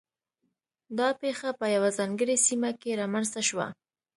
دا پېښه په یوه ځانګړې سیمه کې رامنځته شوه.